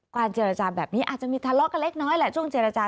เจรจาแบบนี้อาจจะมีทะเลาะกันเล็กน้อยแหละช่วงเจรจา